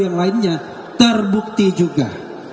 yang lainnya terbukti juga